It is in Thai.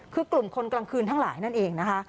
คือกลุ่มคนกลางคืนทั้งหลายนั่นเองนะคะ